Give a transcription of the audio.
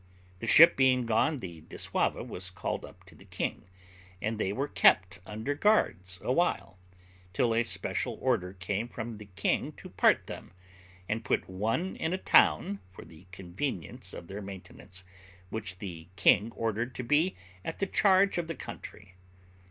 The ship being gone, the dissauva was called up to the king, and they were kept under guards a while, till a special order came from the king to part them, and put one in a town, for the conveniency of their maintenance, which the king ordered to be at the charge of the country.